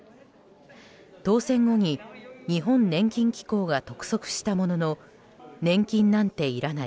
当選後に日本年金機構が督促したものの年金なんていらない